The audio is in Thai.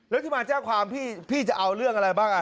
แล้วที่มาแจ้งความพี่จะเอาเรื่องอะไรบ้าง